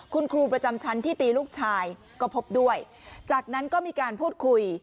คุณครูประจำชั้นที่ตีลูกชายก็พบด้วยจากนั้นก็มีการพูดคุย